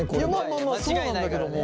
まあまあそうなんだけども。